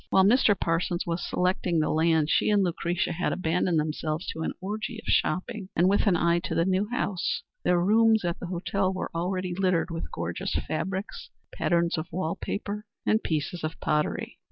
While Mr. Parsons was selecting the land, she and Lucretia had abandoned themselves to an orgy of shopping, and with an eye to the new house, their rooms at the hotel were already littered with gorgeous fabrics, patterns of wall paper and pieces of pottery.